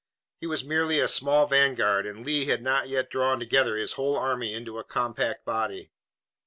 His was merely a small vanguard, and Lee had not yet drawn together his whole army into a compact body.